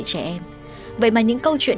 trẻ em vậy mà những câu chuyện